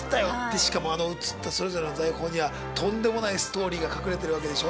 しかも映ったそれぞれの財宝にはとんでもないストーリーが隠れてるわけでしょ？